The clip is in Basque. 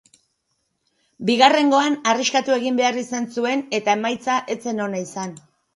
Bigarrengoan arriskatu egin behar izan zuen eta emaitza ez zen ona izan.